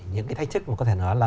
những cái thách thức mà có thể nói là